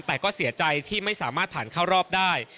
แต่ก็เสียใจที่ไม่สามารถผ่านเข้ารอบได้